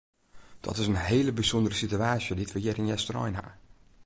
Dat is in hele bysûndere situaasje dy't we hjir yn Easterein ha.